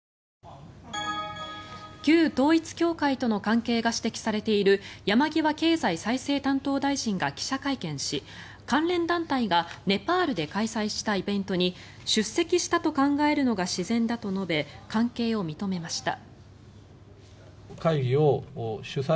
旧統一教会との関係が指摘されている山際経済再生担当大臣が記者会見し関連団体がネパールで開催したイベントに出席したと考えるのが自然だと述べ関係を認めました。